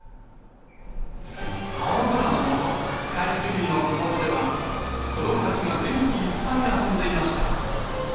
青空の下、スカイツリーのふもとでは、子どもたちが元気いっぱい遊んでいました。